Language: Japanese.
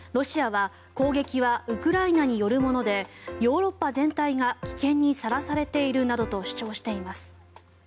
ロシアは攻撃はウクライナによるものでヨーロッパ全体が危険にさらされているなどと主張しています。